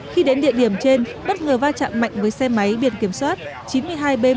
khi đến địa điểm trên bất ngờ va chạm mạnh với xe máy biển kiểm soát chín mươi hai b một trăm linh bảy nghìn ba trăm hai mươi sáu